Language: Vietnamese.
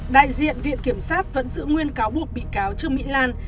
đại diện viện kiểm sát vẫn giữ nguyên cáo buộc bị cáo trương mỹ lan